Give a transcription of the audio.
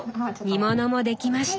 煮物も出来ました。